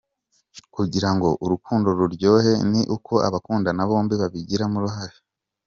Kugira ngo urukundo ruryohe ni uko abakundana bombi babigiramo uruhare .